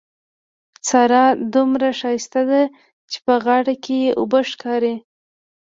سارا دومره ښايسته ده چې په غاړه کې يې اوبه ښکاري.